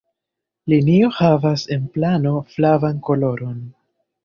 Linio havas en plano flavan koloron.